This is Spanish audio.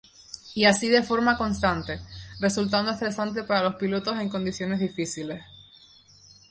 Y así de forma constante, resultando estresante para los pilotos en condiciones difíciles.